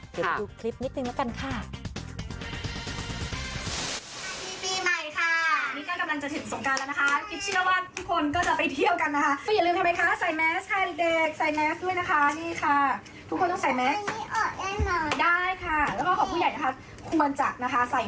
เดี๋ยวไปดูคลิปนิดนึงแล้วกันค่ะ